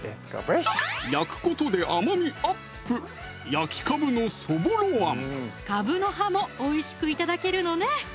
焼くことで甘みアップカブの葉もおいしく頂けるのね